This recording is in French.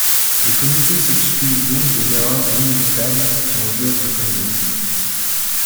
Le Comité s'excuse donc des erreurs inévitables qui ont dû être commises.